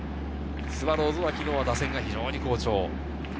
スワローズは昨日、打線が非常に好調。